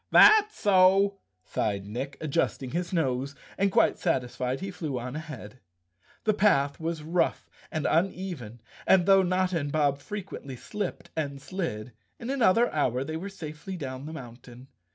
"That's so," sighed Nick, adjusting his nose, and quite satisfied he flew on ahead. The path was rough and uneven and, though Notta and Bob frequently slipped and slid, in another hour they were safely down the mountain.